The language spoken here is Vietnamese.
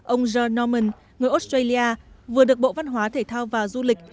ông john norman người australia vừa được bộ văn hóa thể thao và du lịch